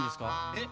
えっ。